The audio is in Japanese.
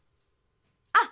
あ！